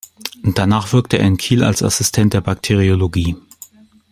Danach wirkte er in Kiel als Assistent der Bakteriologie.